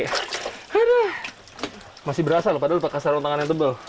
aduh masih berasa loh padahal pakai sarung tangan yang tebal